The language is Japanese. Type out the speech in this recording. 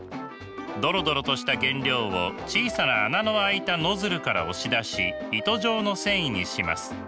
ドロドロとした原料を小さな穴の開いたノズルから押し出し糸状の繊維にします。